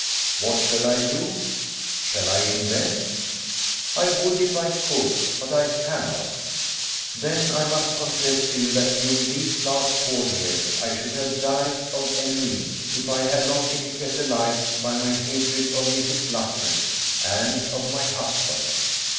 What shall I do? Shall I invent? I would if I could; but I cannot. Then I must confess to you that during these last four years I should have died of ennui if I had not been kept alive by my hatred of Mrs. Luttridge and of my husband.